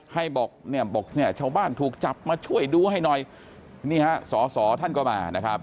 ให้บอกเนี่ยบอกเนี่ยชาวบ้านถูกจับมาช่วยดูให้หน่อยนี่ฮะสอสอท่านก็มานะครับ